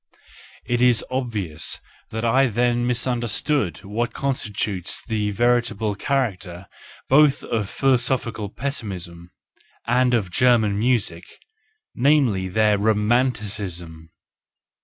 It is obvious that I then mis¬ understood what constitutes the veritable character both of philosophical pessimism and of German music, — namely, their Romanticism